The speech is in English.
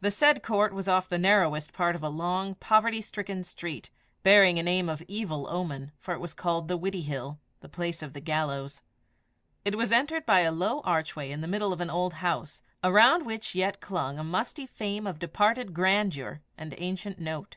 The said court was off the narrowest part of a long, poverty stricken street, bearing a name of evil omen, for it was called the Widdiehill the place of the gallows. It was entered by a low archway in the middle of an old house, around which yet clung a musty fame of departed grandeur and ancient note.